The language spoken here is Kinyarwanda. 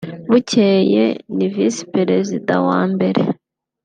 Bukeye ni Visi-Perezida wa mbere